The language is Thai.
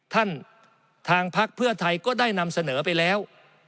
ทางพักเพื่อไทยก็ได้นำเสนอไปแล้ว